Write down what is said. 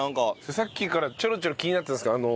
さっきからちょろちょろ気になってたんですけどあの。